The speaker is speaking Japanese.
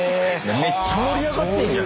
めっちゃ盛り上がってんじゃん！